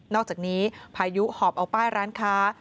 อกจากนี้พายุหอบเอาป้ายร้านค้า